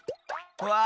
うわ！